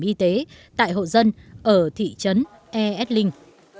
thẻ bảo hiểm y tế tại hộ dân ở thị trấn e s linh